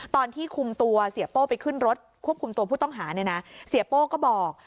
ตอนที่คุมตัวเสียโป้ไปขึ้นรถควบคุมตัวผู้ต้องหาเนี่ยนะเสียโป้ก็บอก